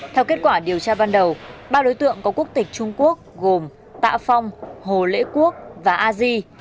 theo kết quả điều tra ban đầu ba đối tượng có quốc tịch trung quốc gồm tạ phong hồ lễ quốc và a di